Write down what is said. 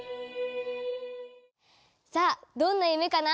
さあどんな夢かな？